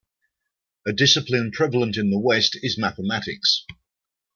A discipline prevalent in the West is mathematics.